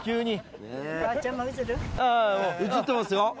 映ってますよ。